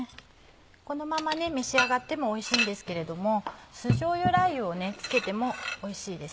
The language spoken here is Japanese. このまま召し上がってもおいしいんですけれども酢じょうゆラー油をつけてもおいしいです。